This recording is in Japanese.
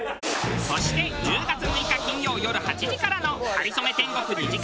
そして１０月６日金曜よる８時からの『かりそめ天国』２時間